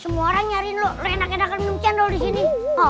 semua orang nyariin lu enak enakan minum cendol disini